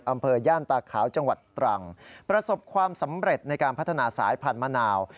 ย่านตาขาวจังหวัดตรังประสบความสำเร็จในการพัฒนาสายพันธุ์มะนาว